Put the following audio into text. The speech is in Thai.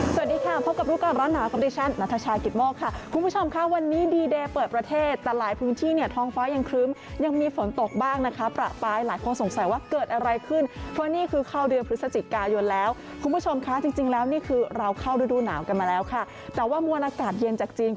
สวัสดีค่ะพบกับรู้ก่อนร้อนหนาวกับดิฉันนัทชายกิตโมกค่ะคุณผู้ชมค่ะวันนี้ดีเดย์เปิดประเทศแต่หลายพื้นที่เนี่ยท้องฟ้ายังครึ้มยังมีฝนตกบ้างนะคะประปรายหลายคนสงสัยว่าเกิดอะไรขึ้นเพราะนี่คือเข้าเดือนพฤศจิกายนแล้วคุณผู้ชมคะจริงแล้วนี่คือเราเข้าฤดูหนาวกันมาแล้วค่ะแต่ว่ามวลอากาศเย็นจากจีน